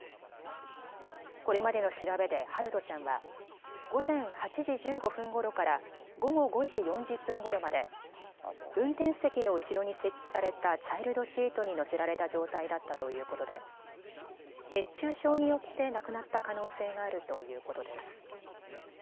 これまでの調べで陽翔ちゃんは午前８時１５分ごろから午後５時４０分ごろまで運転席の後ろに設置されたチャイルドシートに乗せられた状態だったということで熱中症によって亡くなった可能性があるということです。